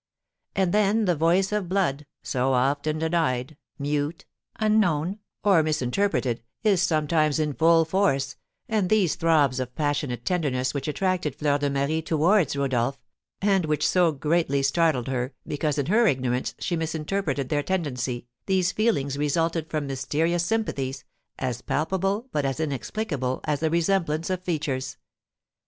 And then the voice of blood, so often denied, mute, unknown, or misinterpreted, is sometimes in full force, and these throbs of passionate tenderness which attracted Fleur de Marie towards Rodolph, and which so greatly startled her, because in her ignorance she misinterpreted their tendency, these feelings resulted from mysterious sympathies, as palpable, but as inexplicable, as the resemblance of features.